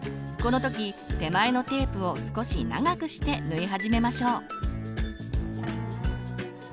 この時手前のテープを少し長くして縫い始めましょう。